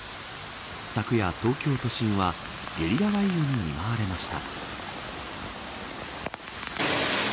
昨夜、東京都心はゲリラ雷雨に見舞われました。